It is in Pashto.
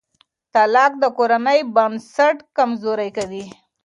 طلاق د کورنۍ بنسټ کمزوری کوي.